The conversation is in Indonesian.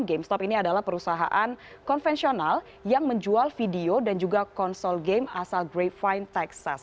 gamestop ini adalah perusahaan konvensional yang menjual video dan juga konsol game asal griffine texas